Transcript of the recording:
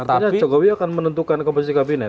artinya jokowi akan menentukan komposisi kabinet